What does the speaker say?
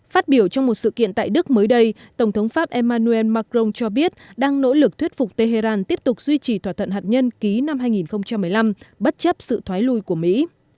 phát biểu trong một sự kiện tại đức mới đây tổng thống pháp emmanuel macron cho biết đang nỗ lực thuyết phục tehran tiếp tục duy trì thỏa thuận hạt nhân ký năm hai nghìn một mươi năm bất chấp sự thoái lùi của mỹ